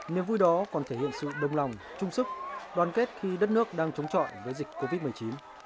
niềm vui đó còn thể hiện sự đồng lòng trung sức đoàn kết khi đất nước đang chống chọi với dịch covid một mươi chín